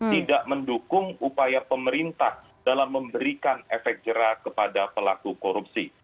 tidak mendukung upaya pemerintah dalam memberikan efek jerak kepada pelaku korupsi